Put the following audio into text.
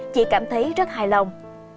chị cảm thấy rất hài lòng